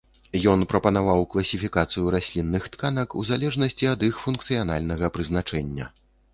Ён прапанаваў класіфікацыю раслінных тканак у залежнасці ад іх функцыянальнага прызначэння.